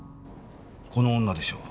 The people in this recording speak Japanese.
この女でしょう。